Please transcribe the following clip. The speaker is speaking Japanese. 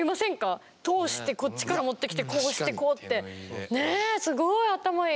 通してこっちから持ってきてこうしてこうって。ねえすごい頭いい！